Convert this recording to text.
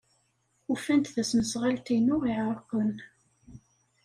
Ufan-d tasnasɣalt-inu iɛerqen.